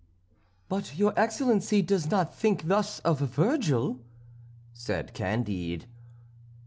"But your Excellency does not think thus of Virgil?" said Candide.